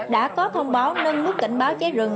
đã có thông báo nâng mức cảnh báo cháy rừng